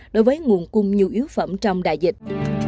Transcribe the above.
đối với nguồn cung nhiều yếu phẩm trong đại dịch